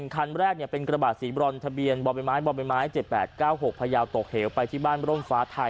คันแรกเป็นกระบาดสีบรรทะเบียนบมบม๗๘๙๖พระยาวตกเหวไปที่บ้านบรมฟ้าไทย